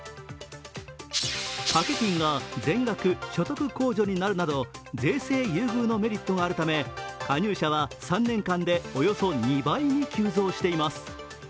掛け金が全額所得控除になる税制優遇のメリットがあるため加入者は３年間でおよそ２倍に急増しています。